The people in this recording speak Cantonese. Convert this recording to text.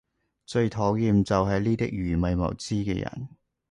最討厭就係呢啲愚昧無知嘅人